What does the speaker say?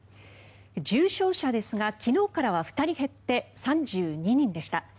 重症者ですが昨日からは２人減って３２人でした。